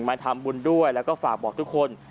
มาทำบุญด้วยแล้วก็ฝากบอกทุกคน